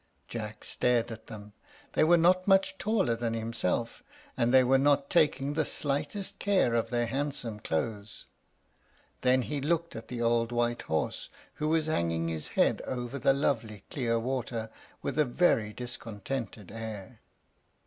Jack stared at them. They were not much taller than himself, and they were not taking the slightest care of their handsome clothes; then he looked at the old white horse, who was hanging his head over the lovely clear water with a very discontented air.